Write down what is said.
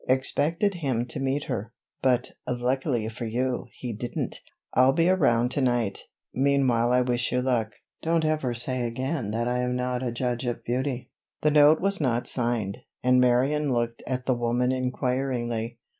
Expected him to meet her, but, luckily for you, he didn't. I'll be around to night; meanwhile I wish you luck. Don't ever say again that I'm not a judge of beauty." The note was not signed, and Marion looked at the woman inquiringly.